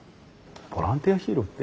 ボランティアヒーローって？